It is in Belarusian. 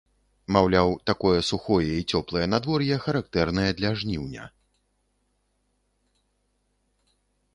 Маўляў, такое сухое і цёплае надвор'е характэрнае для жніўня.